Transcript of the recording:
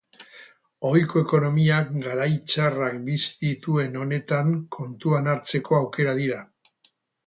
Ohiko ekonomiak garai txarrak bizi dituen honetan kontuan hartzeko aukera dira.